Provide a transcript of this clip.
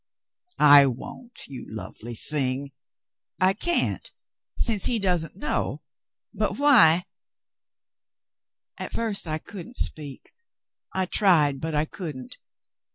"I won't, you lovely thing ! I can't, since he doesn't know — but why —" "At first I couldn't speak. I tried, but I couldn't.